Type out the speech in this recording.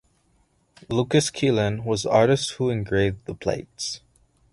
Lucas Kilian was the artist who engraved the plates.